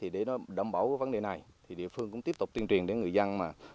để đảm bảo vấn đề này địa phương cũng tiếp tục tuyên truyền đến người dân